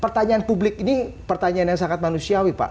pertanyaan publik ini pertanyaan yang sangat manusiawi pak